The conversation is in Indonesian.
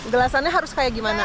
gelasannya harus kayak gimana